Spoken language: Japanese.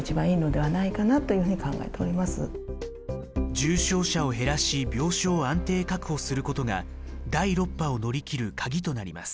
重症者を減らし病床を安定確保することが第６波を乗り切るカギとなります。